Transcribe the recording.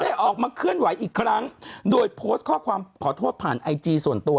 ออกมาเคลื่อนไหวอีกครั้งโดยโพสต์ข้อความขอโทษผ่านไอจีส่วนตัว